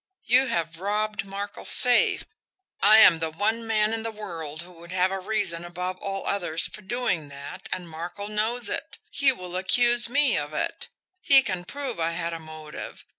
You have robbed Markel's safe I am the one man in the world who would have a reason above all others for doing that and Markel knows it. He will accuse me of it. He can prove I had a motive.